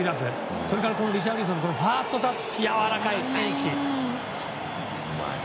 それからリシャルリソンのファーストタッチもやわらかい。